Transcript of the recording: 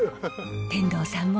天童さんも。